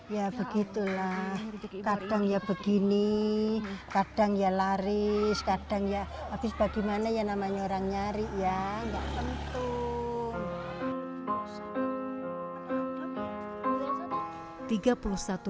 ya begitulah kadang ya begini kadang ya laris kadang ya abis bagaimana ya namanya orang nyari ya gak tentu